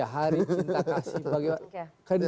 hari cinta kasih